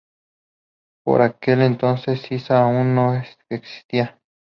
Por aquel entonces Issa aún no existía.